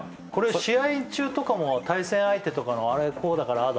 試合中とかも対戦相手とかの「あれこうだからああだ」